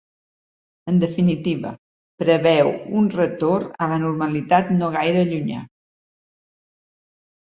En definitiva, preveu un retorn a la normalitat no gaire llunyà.